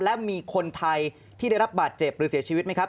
และมีคนไทยที่ได้รับบาดเจ็บหรือเสียชีวิตไหมครับ